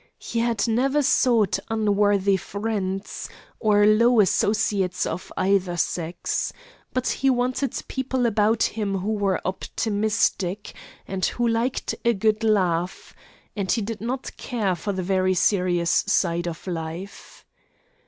He had never sought unworthy friends, or low associates of either sex. But he wanted people about him who were optimistic, and who liked a good laugh, and he did not care for the very serious side of life.